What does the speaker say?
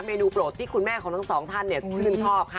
นูโปรดที่คุณแม่ของทั้งสองท่านชื่นชอบค่ะ